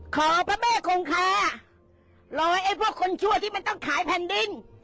ขอพระแม่คงคารอไอ้พวกคนชั่วที่มันต้องขายแผ่นดิน